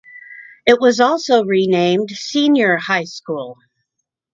It was also renamed Senior High School.